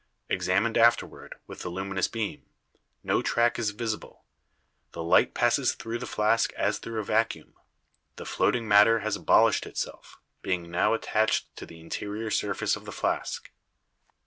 Examined afterward with the luminous beam, no track is visible ; the light passes through the flask as through a vacuum. The floating matter has abolished itself, being now attached to the interior surface of the flask.